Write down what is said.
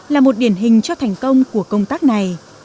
là một điển hình cho thành công của công tác này